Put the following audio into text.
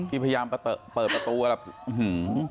พี่พยายามเปิดประตูอ่ะหืม